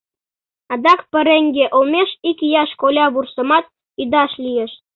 Адак пареҥге олмеш икияш колявурсамат ӱдаш лиеш.